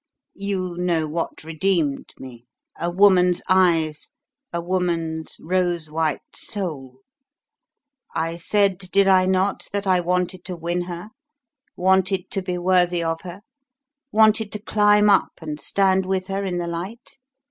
You know what redeemed me a woman's eyes, a woman's rose white soul! I said, did I not, that I wanted to win her, wanted to be worthy of her, wanted to climb up and stand with her in the light?